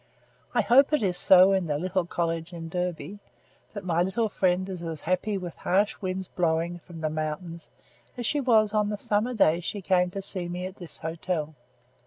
I hope it is so in the little cottage in Derby; that my little friend is as happy with harsh winds blowing from the mountains as she was on the summer day she came to see me at this hotel.